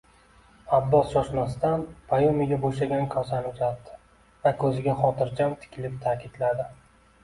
Abbos shoshmasdan Bayyumiga bo`shagan kosani uzatdi va ko`ziga xotirjam tikilib ta`kidladi